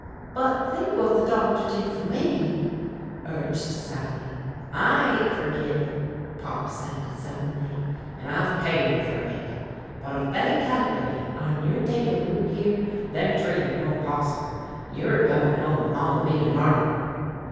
"But think whut the doctor did fer me," urged Sally. "I ain't fergittin'," Pop said suddenly, "an' I've paid 'em fer hit. But ef they calkerlate on yer takin' root here, they're treein' the wrong possum. You're a goin' home along o' me to morrow."